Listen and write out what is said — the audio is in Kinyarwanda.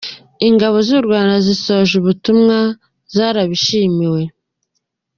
Ingabo z’u Rwanda zisoje ubutumwa zarabishimiwe